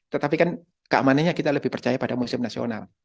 tetapi kan keamanannya kita lebih percaya pada museum nasional